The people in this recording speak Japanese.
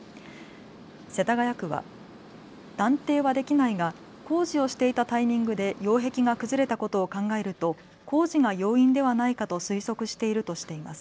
世田谷区は断定はできないが工事をしていたタイミングで擁壁が崩れたことを考えると工事が要因ではないかと推測しているとしています。